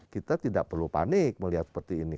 kita tidak perlu panik melihat seperti ini